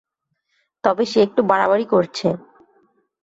তবে সে একটু বাড়াবাড়ি করছে।